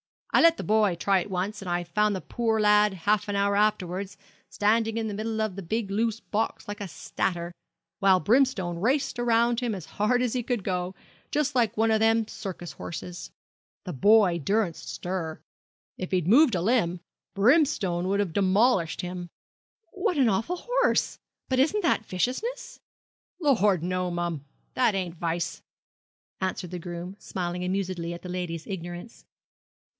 I let the boy try it once, and I found the poor lad half an hour afterwards standing in the middle of the big loose box like a statter, while Brimstone raced round him as hard as he could go, just like one of them circus horses. The boy dursn't stir. If he'd moved a limb, Brimstone 'ud have 'molished him.' 'What an awful horse! But isn't that viciousness?' 'Lor', no mum. That ain't vice,' answered the groom smiling amusedly at the lady's ignorance.